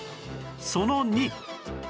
その２